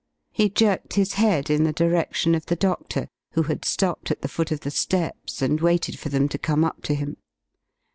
He jerked his head in the direction of the doctor, who had stopped at the foot of the steps and waited for them to come up to him.